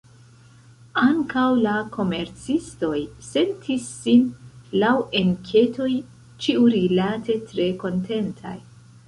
Ankaŭ la komercistoj sentis sin, laŭ enketoj, ĉiurilate tre kontentaj.